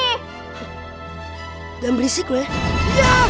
jangan berisik lu ya jangan